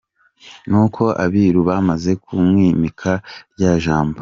Nuko Abiru bamaze kumwimika, rya jambo